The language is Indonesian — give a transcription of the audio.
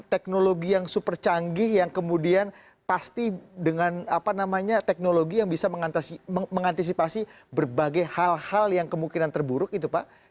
teknologi yang super canggih yang kemudian pasti dengan teknologi yang bisa mengantisipasi berbagai hal hal yang kemungkinan terburuk itu pak